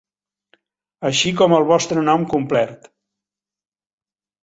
Així com el vostre nom complert.